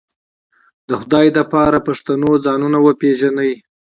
د خدای د پاره پښتنو ځانونه وپېژنئ